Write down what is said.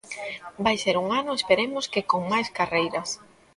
Vai ser un ano esperemos que con máis carreiras.